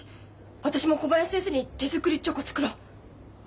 私も小林先生に手作りチョコ作ろう！ね！